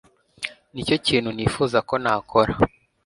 Nicyo kintu nifuza ko nakora